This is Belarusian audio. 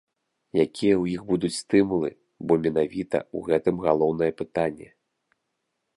Якія ў іх будуць стымулы, бо менавіта ў гэтым галоўнае пытанне.